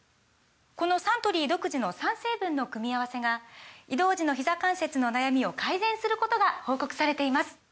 このサントリー独自の３成分の組み合わせが移動時のひざ関節の悩みを改善することが報告されています